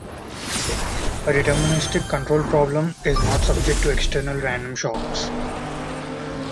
A deterministic control problem is not subject to external random shocks.